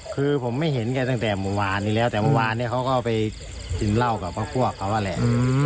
คือผมไม่เห็นแกตั้งแต่เมื่อวานนี้แล้วแต่เมื่อวานเนี่ยเขาก็ไปกินเหล้ากับพวกเขานั่นแหละ